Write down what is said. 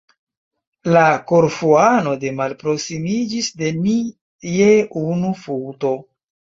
La Korfuano ne malproksimiĝis de ni je unu futo.